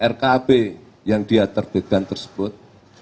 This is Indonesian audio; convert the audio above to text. rkb yang dia terbitkan tersebut